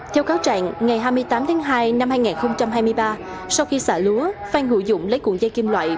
theo cáo trạng ngày hai mươi tám tháng hai năm hai nghìn hai mươi ba sau khi xả lúa phan hữu dũng lấy cuộn dây kim loại